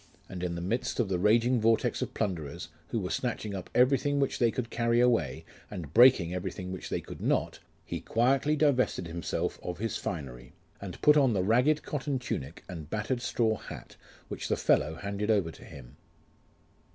And in the midst of the raging vortex of plunderers, who were snatching up everything which they could carry away, and breaking everything which they could not, lie quietly divested himself of his finery, and put on the ragged cotton tunic, and battered straw hat, which the fellow handed over to him.